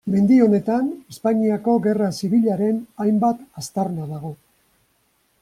Mendi honetan Espainiako Gerra Zibilaren hainbat aztarna dago.